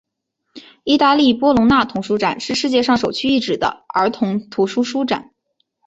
意大利波隆那童书展是世界上首屈一指的儿童图书书展。